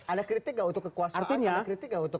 ada kritik gak untuk kekuasaan